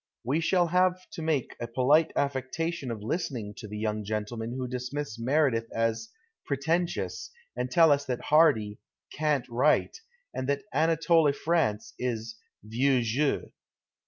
We shall have to make a polite affectation of listening to the young gentlemen who dismiss Meredith as " pretentious " and tell us that Hardy " cant write '" and that Anatole France is vieux jeu.